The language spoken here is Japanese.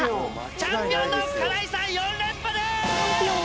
チャンピオンの金井さん４連覇です！